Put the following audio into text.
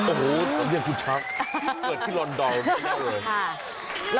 โอ้โหตอนนี้คุณชักเกิดที่ลอนดอนไม่ได้เวิร์น